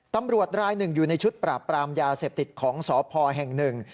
ตำรวจรายหนึ่งอยู่ในชุดปราบปรามยาเสพติดของสพแห่งหนึ่ง